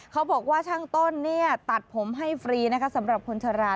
เขาบอกว่าช่างต้นตัดผมให้ฟรีสำหรับคนชะลา